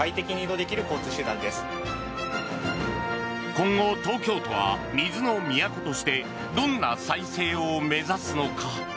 今後、東京都は水の都としてどんな再生を目指すのか。